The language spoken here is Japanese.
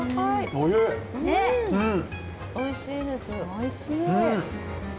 おいしい。